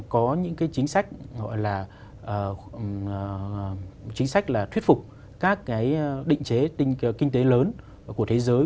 có những cái chính sách gọi là chính sách là thuyết phục các cái định chế kinh tế lớn của thế giới